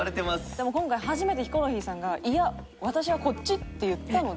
でも今回初めてヒコロヒーさんが「いや私はこっち」って言ったので。